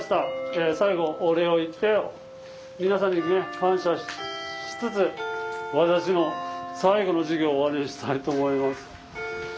最後お礼を言って皆さんに感謝しつつ私の最後の授業を終わりにしたいと思います。